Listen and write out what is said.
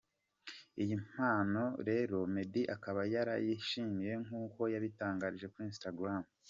Iyi mpano rero Meddy akaba yarayishimiye nkuko yabitangaje kuri Instagram.